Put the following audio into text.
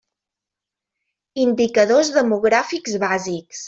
Indicadors Demogràfics Bàsics.